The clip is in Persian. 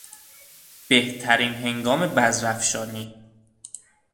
بهترین هنگام بذر افشانی